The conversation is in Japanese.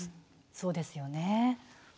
そうですよね。